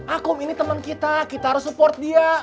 ah kum ini teman kita kita harus support dia